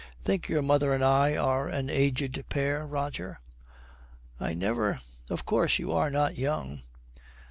'Think your mother and I are an aged pair, Roger?' 'I never of course you are not young.'